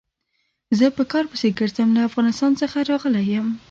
زه په کار پسې ګرځم، له افغانستان څخه راغلی يم.